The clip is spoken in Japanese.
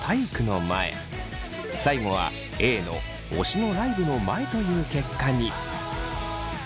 最後はＡの「推しのライブの前」という結果に。